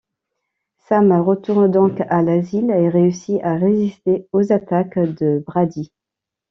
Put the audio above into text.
Sam retourne donc à l'asile et réussit à résister aux attaques de Brady.